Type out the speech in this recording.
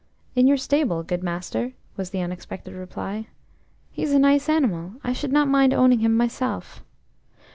"In your stable, good master," was the unexpected reply. "He's a nice animal–I should not mind owning him myself."